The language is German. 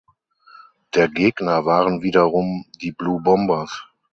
Der Gegner waren wiederum die "Blue Bombers".